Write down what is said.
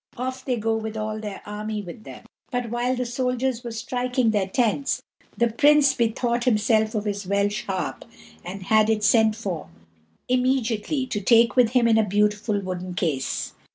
Off they go with all their army with them; but while the soldiers were striking their tents, the Prince bethought himself of his Welsh harp, and had it sent for immediately to take with him in a beautiful wooden case.